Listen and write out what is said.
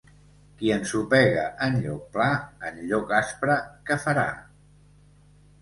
Qui ensopega en lloc pla, en lloc aspre, què farà?